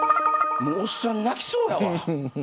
おっさん泣きそうやわ。